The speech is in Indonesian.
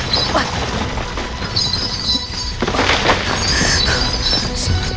sepertinya aku tidak boleh